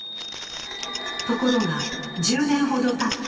ところが１０年ほどたった